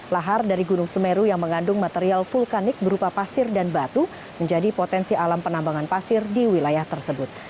lahar dari gunung semeru yang mengandung material vulkanik berupa pasir dan batu menjadi potensi alam penambangan pasir di wilayah tersebut